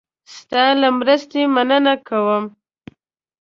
ستا له مرستې مننه کوم.